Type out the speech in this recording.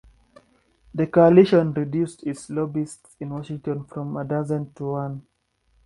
The Coalition reduced its lobbyists in Washington from a dozen to one.